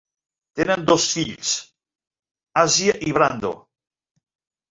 Tenen dos fills, Asia i Brando.